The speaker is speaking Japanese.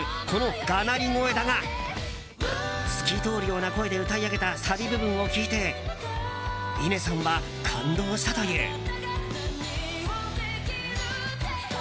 このがなり声だが透き通るような声で歌い上げたサビ部分を聴いて伊根さんは感動したという。